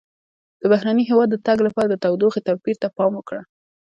د بهرني هېواد د تګ لپاره د تودوخې توپیر ته پام وکړه.